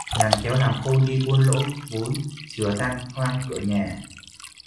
Làm khéo làm khôn, đi buôn lỗ vốn chừ tan hoang cửa nhà